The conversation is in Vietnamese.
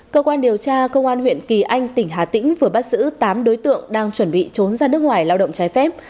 cơ quan điều tra công an huyện kỳ anh tỉnh hà tĩnh vừa bắt giữ tám đối tượng đang chuẩn bị trốn ra nước ngoài lao động trái phép